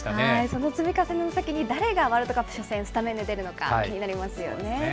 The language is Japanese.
その積み重ねの先に、誰がワールドカップ初戦、スタメンで出るのか、気になりますよね。